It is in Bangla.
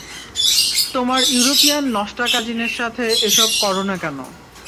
তোমার ইউরোপীয়ান নষ্টা কাজিনের সাথে এসব করোনা কেন?